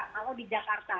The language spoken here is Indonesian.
kalau di jakarta